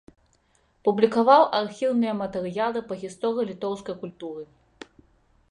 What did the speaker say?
Публікаваў архіўныя матэрыялы па гісторыі літоўскай культуры.